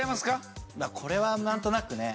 これはなんとなくね。